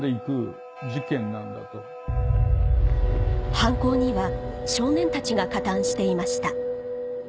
犯行には少年たちが加担していました